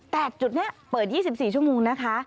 แต่จุดนี้เปิด๒๔ชั่วโมงนะคะ